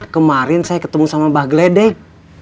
kemarin saya ketemu sama mbah gledek